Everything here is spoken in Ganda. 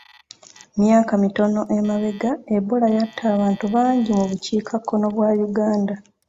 Myaka mitono emabega Ebola yatta abantu bangi mu bukiikakkono bwa Uganda.